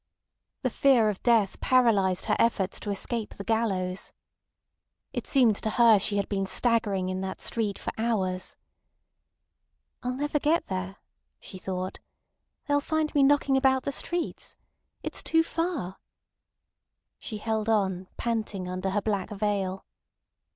The fear of death paralysed her efforts to escape the gallows. It seemed to her she had been staggering in that street for hours. "I'll never get there," she thought. "They'll find me knocking about the streets. It's too far." She held on, panting under her black veil.